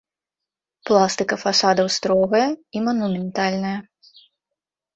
Пластыка фасадаў строгая і манументальная.